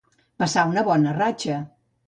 Passar una bona ratxa.